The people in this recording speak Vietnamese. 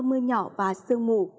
mưa nhỏ và sương mù